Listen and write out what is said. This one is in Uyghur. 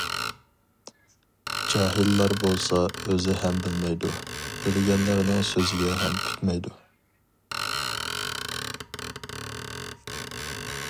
جاھىللار بولسا ئۆزى ھەم بىلمەيدۇ، بىلگەنلەرنىڭ سۆزىگە ھەم پۈتمەيدۇ.